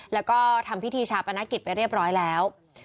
แล้วก็ทำพิธีชาปนกิจไปเรียบร้อยแล้ว